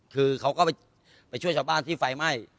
คือเขาก็ไปช่วยชาวบ้านที่ไฟไหม้